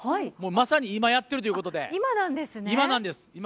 まさに今やってるということで。